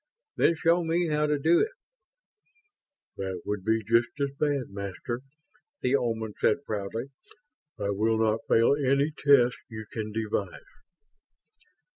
"Then show me how to do it." "That would be just as bad, Master," the Oman said proudly. "I will not fail any test you can devise!"